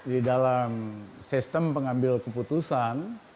di dalam sistem pengambil keputusan